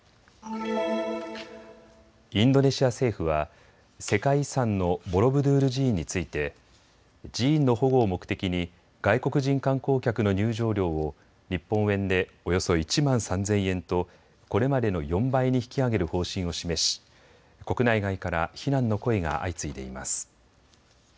インドネシア政府は世界遺産のボロブドゥール寺院について寺院の保護を目的に外国人観光客の入場料を日本円でおよそ１万３０００円とこれまでの４倍に引き上げる方針を示し国内外から非難の声が相次いでいます。